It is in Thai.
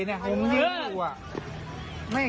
เขาโพสต์เอาไว้ใน